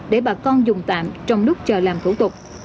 để bà con dùng tạm trong lúc chờ làm thủ tục